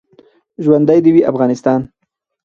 ژوندۍ د وی افغانستان